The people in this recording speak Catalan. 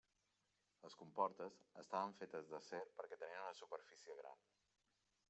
Les comportes estaven fetes d'acer perquè tenien una superfície gran.